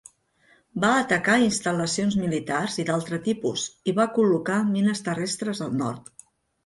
Va atacar instal·lacions militars i d'altre tipus i va col·locar mines terrestres al nord.